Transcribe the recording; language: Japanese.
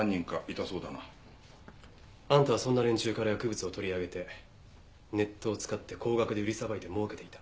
あんたはそんな連中から薬物を取り上げてネットを使って高額で売りさばいて儲けていた。